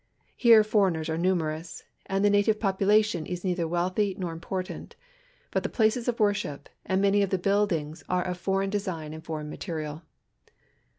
Here foreigners are numerous, and the na tive population is neither wealthy nor important, Init the places of worship and many of the buildings are of foreign design and foreign material.